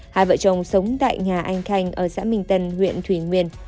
hai vợ chồng sống tại nhà anh thanh ở xã minh tân huyện thủy nguyên